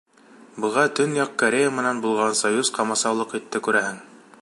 Быға Төньяҡ Корея менән булған союз ҡамасаулыҡ итте, күрәһең.